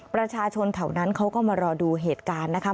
ประชาชนแถวนั้นเขาก็มารอดูเหตุการณ์นะคะ